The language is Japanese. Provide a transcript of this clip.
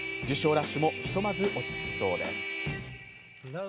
ラッシュもひとまず落ち着きそうです。